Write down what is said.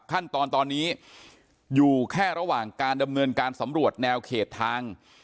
ขั้นตอนตอนนี้อยู่แค่ระหว่างการดำเนินการสำรวจแนวเขตทาง